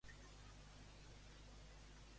Quina simbologia atribueix Torrent a la Flama?